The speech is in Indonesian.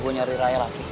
gue nyari raya lagi